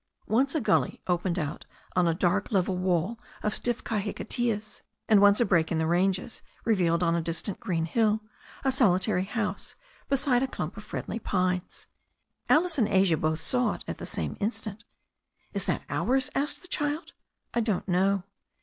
Once a gully opened out upon a dark level wall of stiff kahikateas^ and once a break in the ranges revealed, on a distant green hill, a solitary house beside a clump of friendly pines. Alice and Asia both saw it at the same instant. "Is that ours?" asked the child. "I don't know."